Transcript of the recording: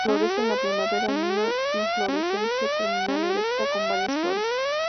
Florece en la primavera en una inflorescencia terminal, erecta, con varias flores.